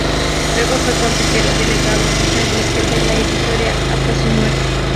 Luego fue Consejero delegado vitalicio de la editorial hasta su muerte.